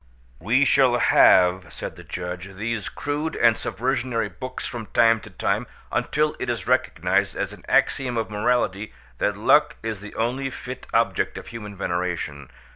"We shall have," said the judge, "these crude and subversionary books from time to time until it is recognised as an axiom of morality that luck is the only fit object of human veneration.